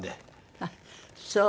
あっそう。